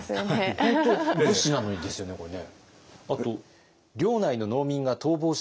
本当武士なのにですよねこれね。